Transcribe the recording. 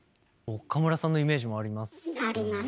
岡村さんのイメージもあります。